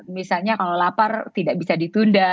misalnya kalau lapar tidak bisa ditunda